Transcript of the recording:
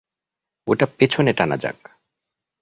ওটা পেছনে টানা যাক।